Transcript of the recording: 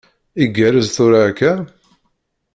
Igerrez tura akka?